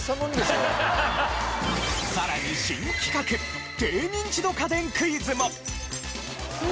さらに新企画低ニンチド家電クイズも。